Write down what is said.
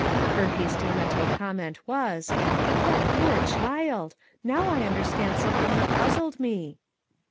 Her hasty mental comment was: "That poor child! Now I understand something that puzzled me."